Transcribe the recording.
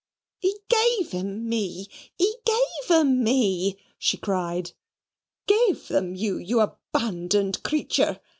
"He gave 'em me; he gave 'em me!" she cried. "Gave them you, you abandoned creature!"